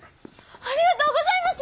ありがとうございます！